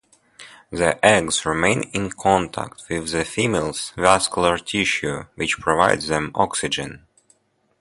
The eggs remain in contact with the female's vascular tissue, which provides them oxygen.